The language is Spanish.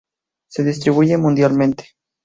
Se distribuye mundialmente.